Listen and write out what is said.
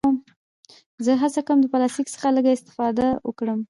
زه هڅه کوم چې له پلاستيکه لږ استفاده وکړم.